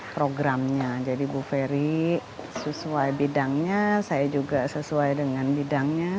programnya jadi bu ferry sesuai bidangnya saya juga sesuai dengan bidangnya